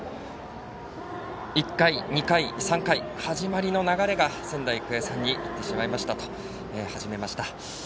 １回、２回、３回始まりの流れが仙台育英さんにいってしまいましたと始めました。